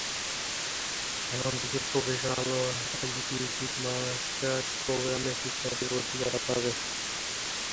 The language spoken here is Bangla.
এখন থেকে প্রফেশনাল ও এক্সিকিউটিভ মাস্টার্স প্রোগ্রামে শিক্ষার্থী ভর্তি করা যাবে।